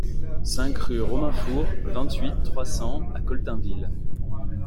cinq rue Romain Foure, vingt-huit, trois cents à Coltainville